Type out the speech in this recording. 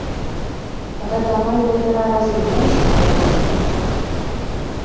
Гэта амаль у паўтара разы менш, чым беларускія мужчыны.